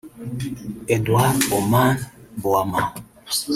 Edward Omane Boamah